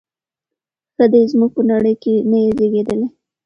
ښه دی زموږ پر نړۍ نه یې زیږیدلی